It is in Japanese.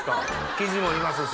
キジもいますし。